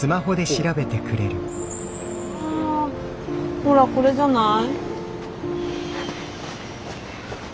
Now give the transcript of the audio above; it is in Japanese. あほらこれじゃない？